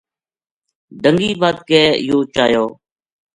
ڈَنگی بَدھ کے یوہ چایو